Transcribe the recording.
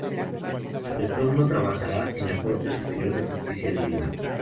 A su retorno trabajará en la Corte Superior de Justicia de Lima.